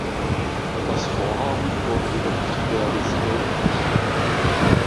Das Vorhaben wurde jedoch nicht realisiert.